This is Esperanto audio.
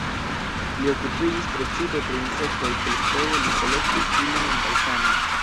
Li okupiĝis precipe pri insektoj, kelkfoje li kolektis ilin en Balkano.